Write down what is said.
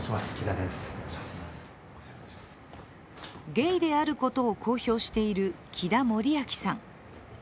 ゲイであることを公表している貴田守亮さん。